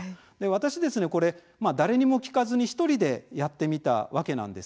私ですね、これ誰にも聞かずに１人でやってみたわけなんです。